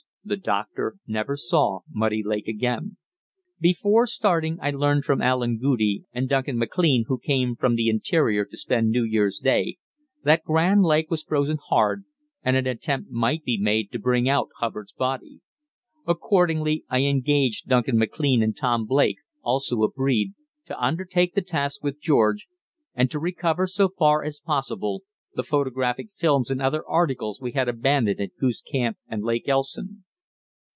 the doctor never saw Muddy Lake again. Before starting, I learned from Allen Goudie and Duncan MacLean, who came from the interior to spend New Year's Day, that Grand Lake was frozen hard and an attempt might be made to bring out Hubbard's body. Accordingly, I engaged Duncan MacLean and Tom Blake, also a breed, to undertake the task with George, and to recover, so far as possible, the photographic films and other articles we had abandoned at Goose Camp and Lake Elson.